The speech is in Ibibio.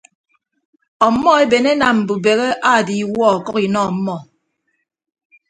Ọmmọ eben enam mbubehe aadiiwuọ ọkʌk inọ ọmmọ.